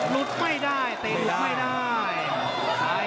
หลุดไม่ได้ติดไม่ได้